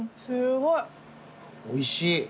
おいしい。